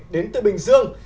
đến từ bình dương